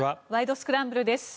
スクランブル」です。